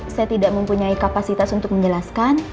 saya tidak mempunyai kapasitas untuk menjelaskan